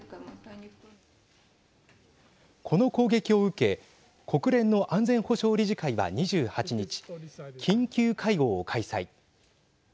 この攻撃を受け国連の安全保障理事会は２８日緊急会合を開催。